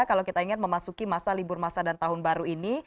kalau kita ingat memasuki masa libur masa dan tahun baru ini